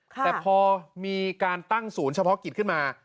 แต่พอมีการตั้งศูนย์เฉพาะกิจขึ้นมา